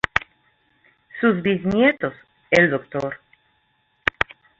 Sus bisnietos, El Dr.